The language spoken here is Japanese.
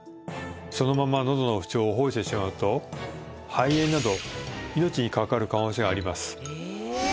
そのままのどの不調を放置してしまうと肺炎など命に関わる可能性があります